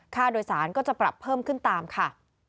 ค่าโดยสารก็จะปรับเพิ่มขึ้นตามค่ะ